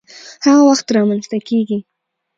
هغه وخت رامنځته کيږي،